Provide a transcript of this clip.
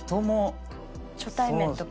初対面とか。